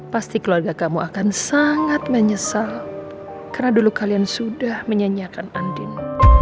pasti keluarga kamu akan sangat menyesal karena dulu kalian sudah menyanyiakan andin